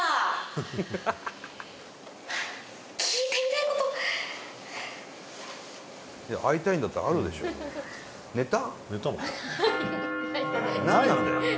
いや会いたいんだったらあるでしょ寝た？